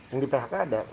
yang di phk ada